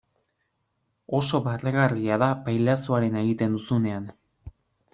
Oso barregarria da pailazoarena egiten duzunean.